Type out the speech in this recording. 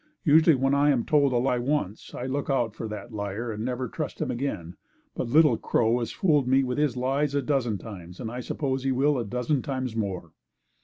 Usually when I am told a lie once, I look out for that liar and never trust him again, but Little Crow has fooled me with his lies a dozen times and I suppose he will a dozen times more."